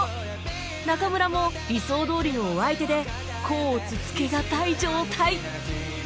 中村も理想どおりのお相手で甲乙つけがたい状態